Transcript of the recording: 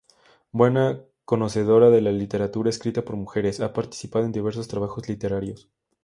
Buena conocedora de la literatura escrita por mujeres, ha participado en diversos trabajos literarios.